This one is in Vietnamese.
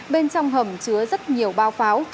bên trong hầm chứa rất nhiều bao pháo